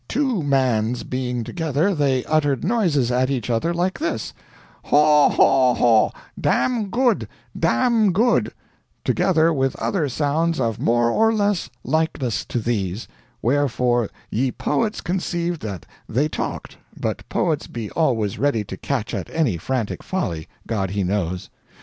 Two Mans being together, they uttered noises at each other like this: "Haw haw haw dam good, dam good," together with other sounds of more or less likeness to these, wherefore ye poets conceived that they talked, but poets be always ready to catch at any frantic folly, God he knows.